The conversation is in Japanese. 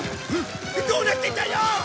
どうなってんだよ！